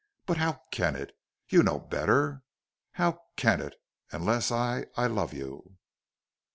But how can it? You know better. How can it... unless I I love you?"